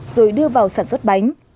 rồi đưa vào sản xuất bánh